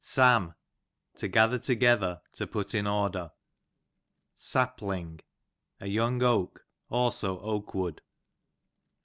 Sam, to gather together , to put in order. Sappling, a young oak ; also oak wood.